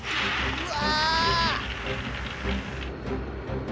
うわ！